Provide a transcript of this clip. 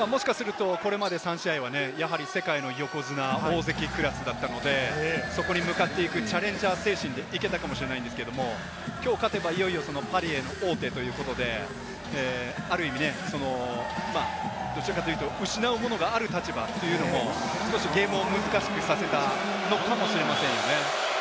これまで３試合は世界の横綱、大関クラスだったので、そこに向かっていくチャレンジャー精神でいけたかもしれないんですけれど、きょう勝てば、いよいよパリへの王手ということで、ある意味、どちらかというと失うものがある立場というのも少しゲームを難しくさせたのかもしれないですね。